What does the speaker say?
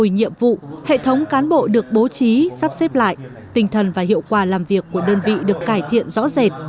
nhiệm vụ hệ thống cán bộ được bố trí sắp xếp lại tinh thần và hiệu quả làm việc của đơn vị được cải thiện rõ rệt